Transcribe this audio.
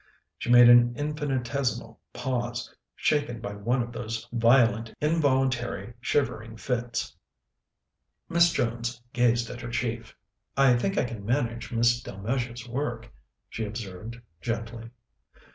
She made an infinitesimal pause, shaken by one of those violent, involuntary, shivering fits. Miss Jones gazed at her chief. "I think I can manage Miss Delmege's work," she observed gently.